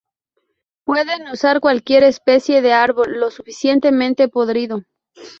Pueden usar cualquier especie de árbol lo suficientemente podrido.